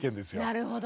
なるほど。